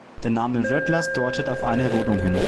Der Name Rödlas deutet auf eine Rodung hin.